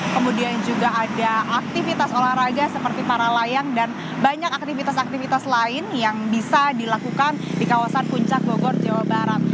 kemudian juga ada aktivitas olahraga seperti para layang dan banyak aktivitas aktivitas lain yang bisa dilakukan di kawasan puncak bogor jawa barat